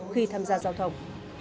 khi tham gia giao thông